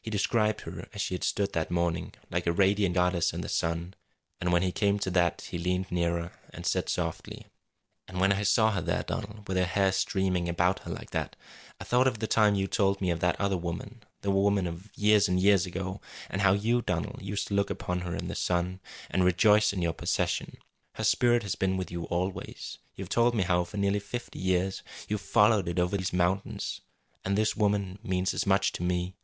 He described her as she had stood that morning, like a radiant goddess in the sun; and when he came to that he leaned nearer, and said softly: "And when I saw her there, Donald, with her hair streaming about her like that, I thought of the time you told me of that other woman the woman of years and years ago and how you, Donald, used to look upon her in the sun, and rejoice in your possession. Her spirit has been with you always. You have told me how for nearly fifty years you have followed it over these mountains. And this woman means as much to me.